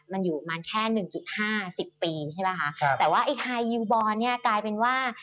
มันอยู่มันแค่๑๕๑๐ปีแต่ว่าฮายีวบอร์นกลายเป็นว่า